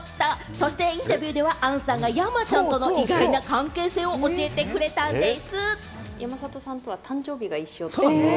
そしてインタビューでは、杏さんが山ちゃんとの意外な関係性を教えてくれたんでぃす。